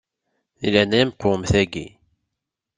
Di leɛnaya-m qwem taki.